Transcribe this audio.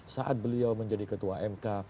saat beliau menjadi ketua mk